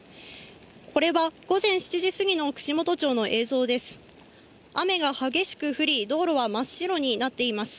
これは午前７時過ぎの串本町の映像です。